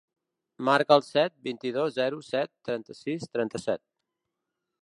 Marca el set, vint-i-dos, zero, set, trenta-sis, trenta-set.